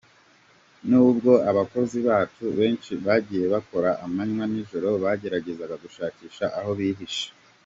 Nubwo abakozi bacu benshi bagiye bakora amanywa n’ijoro bagerageza gushakisha aho bihishe.